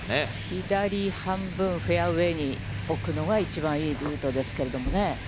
左半分、フェアウェイに置くのが一番いいルートですけどね。